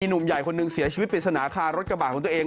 หนุ่มใหญ่คนหนึ่งเสียชีวิตปริศนาคารถกระบาดของตัวเอง